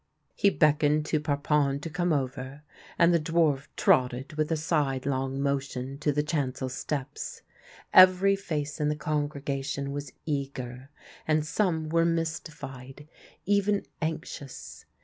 He beckoned to Parpon to come over, and the dwarf trotted with a sidelong motion to the chancel steps. Every face in the congregation was eager, and some were mystified, even anxious.